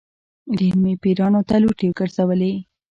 ډېر مې پیرانو ته لوټې ګرځولې.